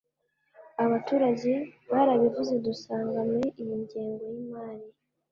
abaturage barabivuze dusanga muri iyi ngengo y’imari